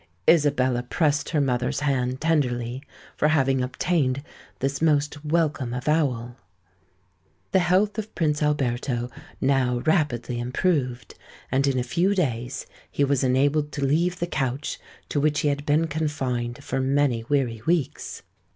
Isabella pressed her mother's hand tenderly for having obtained this most welcome avowal. The health of Prince Alberto now rapidly improved; and in a few days he was enabled to leave the couch to which he had been confined for many weary weeks.